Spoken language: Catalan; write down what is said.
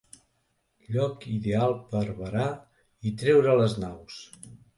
Lloc ideal per varar i treure les naus.